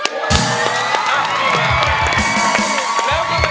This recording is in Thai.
น้อยก็อภัยใจได้